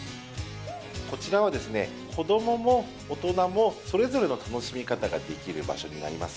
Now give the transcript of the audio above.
こちらは、子どもも大人もそれぞれの楽しむ方ができる場所になります。